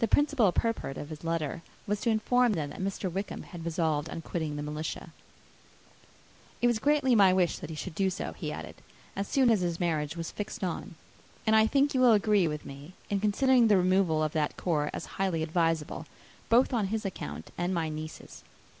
The principal purport of his letter was to inform them, that Mr. Wickham had resolved on quitting the militia. "It was greatly my wish that he should do so," he added, "as soon as his marriage was fixed on. And I think you will agree with me, in considering a removal from that corps as highly advisable, both on his account and my niece's.